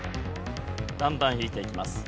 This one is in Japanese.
だんだん引いていきます。